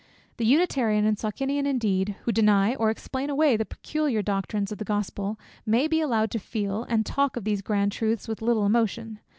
The Unitarian and Socinian indeed, who deny, or explain away the peculiar doctrines of the Gospel, may be allowed to feel, and talk of these grand truths with little emotion.